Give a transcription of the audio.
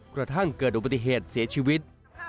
กระทั่งเกิดอุบัติเหตุเสียชีวิต